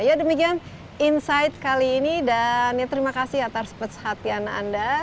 ya demikian insight kali ini dan ya terima kasih atas perhatian anda